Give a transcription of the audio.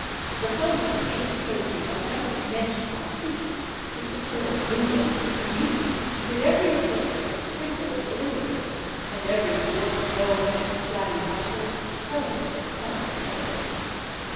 The closing scene shows the authentic Mensch an sich, the eternal blue nose in the nude, with every wart and pimple glittering and every warped bone and flabby muscle telling its abhorrent tale.